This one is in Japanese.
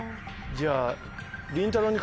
じゃあ。